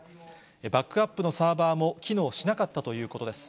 バックアップのサーバーも機能しなかったということです。